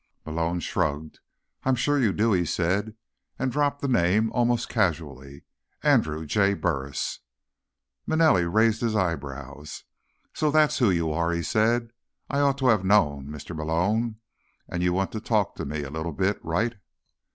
Malone shrugged. "I'm sure you do," he said, and dropped the name almost casually: "Andrew J. Burris." Manelli raised his eyebrows. "So that's who you are," he said. "I ought to have known, Mr. Malone. And you want to talk to me a little bit, right?"